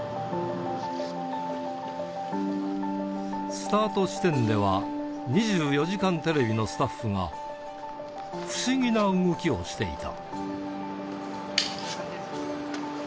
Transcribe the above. スタート地点では、２４時間テレビのスタッフが、不思議な動きをしていた。